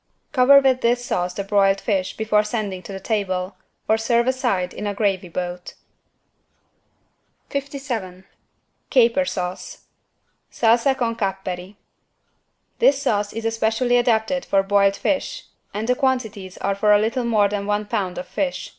Cover with this sauce the broiled fish before sending to the table, or serve aside in a gravy boat. 57 CAPER SAUCE (Salsa con capperi) This sauce is especially adapted for boiled fish and the quantities are for a little more than one pound of fish.